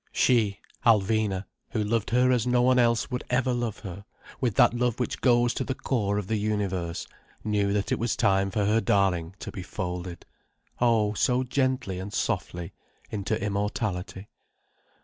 She, Alvina, who loved her as no one else would ever love her, with that love which goes to the core of the universe, knew that it was time for her darling to be folded, oh, so gently and softly, into immortality.